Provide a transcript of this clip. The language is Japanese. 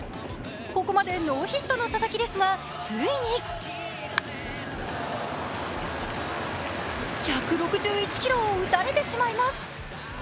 ここまでノーヒットの佐々木ですが、ついに１６１キロを打たれてしまいます。